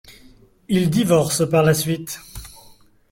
Ils divorcent par la suite.